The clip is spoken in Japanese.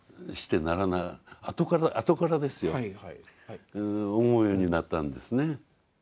あとからあとからですよ思うようになったんですね。